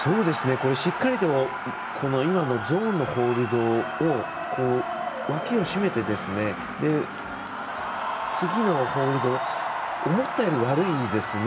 しっかりと今のゾーンのホールドを脇をしめて、次のホールド思ったより悪いですね。